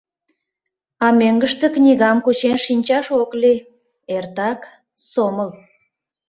А мӧҥгыштӧ книгам кучен шинчаш ок лий, эртак сомыл.